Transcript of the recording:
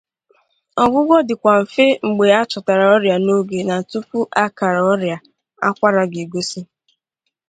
Ọgwụgwọ dịkwa mfe mgbe achọtara ọrịa n’oge na tupu akara ọrịa akwara ga-egosi.